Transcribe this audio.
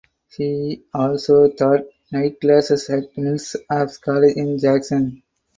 He also taught night classes at Millsaps College in Jackson.